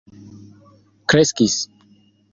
kreskis